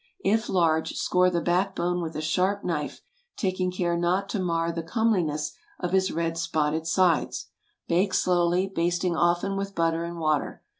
If large, score the back bone with a sharp knife, taking care not to mar the comeliness of his red spotted sides. Bake slowly, basting often with butter and water.